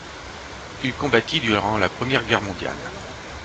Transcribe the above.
Il combattit durant la Première Guerre mondiale.